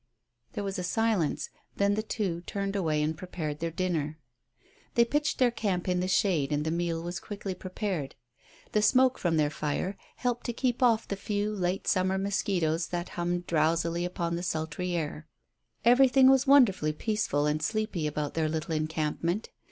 There was a silence; then the two turned away and prepared their dinner. They pitched their camp in the shade, and the meal was quickly prepared. The smoke from their fire helped to keep off the few late summer mosquitoes that hummed drowsily upon the sultry air. Everything was wonderfully peaceful and sleepy about their little encampment.